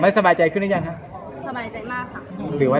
มันไม่ใช่อยู่ดีจะให้แพลตไปคบกับใครแล้วกัน